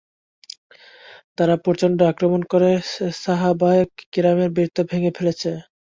তারা প্রচণ্ড আক্রমণ করে সাহাবায়ে কেরামের বৃত্ত ভেঙ্গে ফেলেছে।